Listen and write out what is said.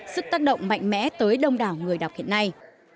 sức tác động mạnh mẽ tới đông đảo người đọc hiện nay